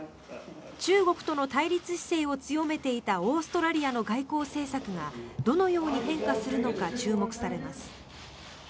中国との対立姿勢を強めていたオーストラリアの外交政策がどのように変化するのか注目されます。